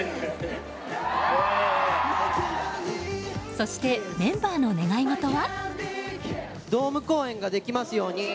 そして、メンバーの願い事は？